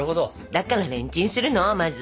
だからレンチンするのまず。